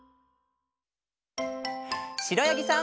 しろやぎさん。